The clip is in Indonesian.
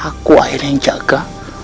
aku akhirnya yang jaga